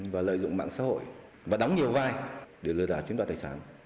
và lợi dụng mạng xã hội và đóng nhiều vai để lừa đảo chiếm đoạt tài sản